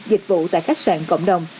dịch vụ tại khách sạn cộng đồng